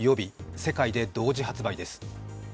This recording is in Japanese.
世界で同時発売です。